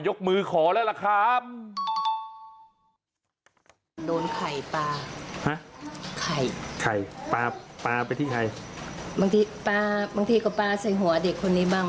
มือขอแล้วล่ะครับ